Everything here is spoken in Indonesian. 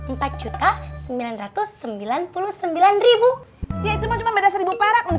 ya itu mah cuma beda seribu perak mams